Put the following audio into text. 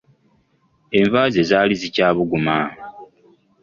Enva ze zaali zikyabuguma.